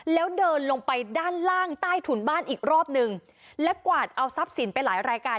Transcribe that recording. แล้วเดินลงไปด้านล่างใต้ถุนบ้านอีกรอบนึงและกวาดเอาทรัพย์สินไปหลายรายการ